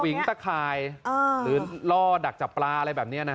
วิงตะข่ายหรือล่อดักจับปลาอะไรแบบนี้นะ